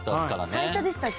最多でしたっけ？